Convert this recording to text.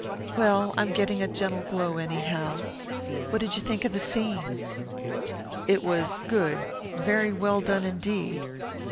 "Well, I'm getting a gentle glow, anyhow. Wha'd you think of the scene?" "It was good very well done, indeed."